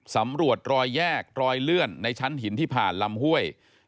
สำรวจรอยแยกรอยเลื่อนในชั้นหินที่ผ่านลำห้วย